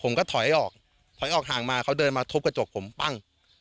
ผมก็ถอยออกถอยออกห่างมาเขาเดินมาทุบกระจกผมปั้ง